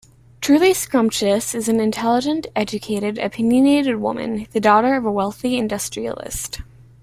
Truly Scrumptious is an intelligent, educated, opinionated woman, the daughter of a wealthy industrialist.